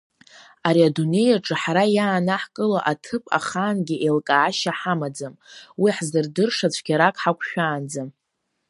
Ари адунеи аҿы ҳара иаанаҳкыло аҭыԥ ахаангьы еилкаашьа ҳамаӡам, уи ҳзырдырша цәгьарак ҳақәшәаанӡа.